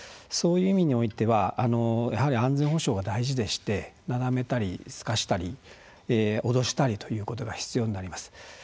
そういう意味においてはやはり安全保障が大事でしてなだめたりすかしたり脅したりということが必要になります。